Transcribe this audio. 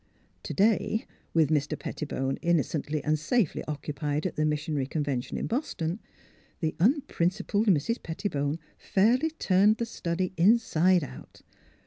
To day, with Mr. Pettibone innocently and safely occupied at the Missionary Convention in Boston, the unprincipled Mrs. Pettibone fairly turned the study inside out.